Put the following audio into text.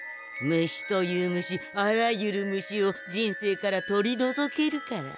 虫という虫あらゆる虫を人生から取りのぞけるから。